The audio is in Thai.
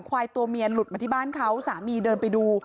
ควายตัวเมียหลุดมาที่บ้านเขาสามีเดินไปดู